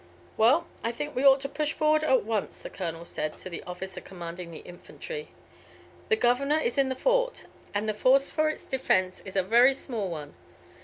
"Well, I think we ought to push forward at once," the colonel said to the officer commanding the infantry. "The Governor is in the Fort, and the force for its defence is a very small one.